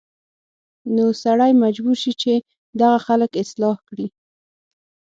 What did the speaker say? نو سړی مجبور شي چې دغه خلک اصلاح کړي